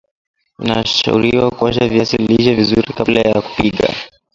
inashauriwa kuosha viazi lishe vizuri kabla ya kupika